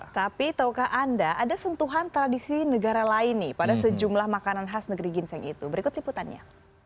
tapi tahukah anda ada sentuhan tradisi negara lain nih pada sejumlah makanan khas negeri ginseng itu berikut liputannya